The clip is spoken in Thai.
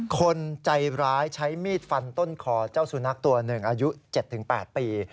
คนใจร้ายใช้มีดฟันต้นคอเจ้าสุนัขตัวหนึ่งอายุ๗๘ปี